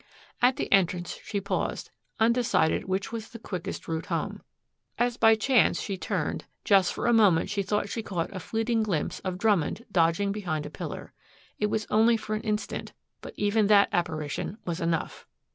At the entrance she paused, undecided which was the quickest route home. As by chance she turned just for a moment she thought she caught a fleeting glimpse of Drummond dodging behind a pillar. It was only for an instant but even that apparition was enough.